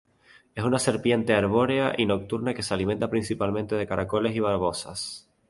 Es una serpiente arbórea y nocturna que se alimenta principalmente de caracoles y babosas.